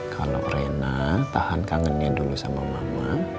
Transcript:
kalau rena tahan kangennya dulu sama mama